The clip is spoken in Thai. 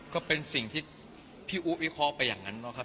ก็เป็นสิ่งที่พี่อุ๊วิเคราะห์ไปอย่างนั้นนะครับ